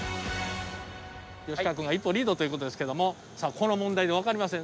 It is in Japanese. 吉川君が一歩リードということですけどもさあこの問題で分かりません。